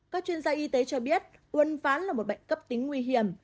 các chuyên gia y tế cho biết uân ván là một bệnh cấp tính nguy hiểm